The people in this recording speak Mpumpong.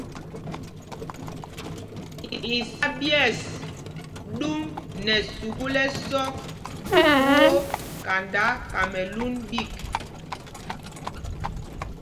Isá ɓyɛ̂ɛs ɗum nɛ sukûl ɛsɔk twóó kanda Kamɛlûn ɓîk.